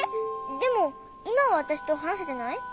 でもいまはわたしとはなせてない？